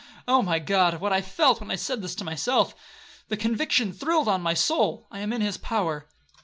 Oh, my God! what I felt when I said this to myself! The conviction thrilled on my soul,—I am in his power.